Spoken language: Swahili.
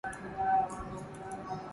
Kufuta mikataba yote kati ya Kenya na China